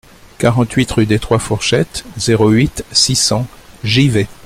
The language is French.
quarante-huit rue des trois Fourchettes, zéro huit, six cents, Givet